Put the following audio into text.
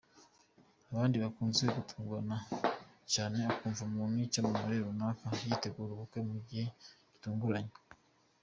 Abandi bakunze gutungurana cyane ukumva umuntu w'icyamamare runaka yateguye ubukwe mu gihe gitunguranye.